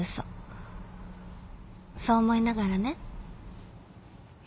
そう思いながらね